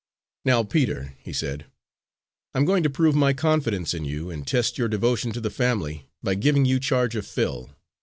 "Now, Peter," he said, "I'm going to prove my confidence in you, and test your devotion to the family, by giving you charge of Phil.